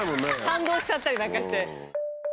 賛同しちゃったりなんかして。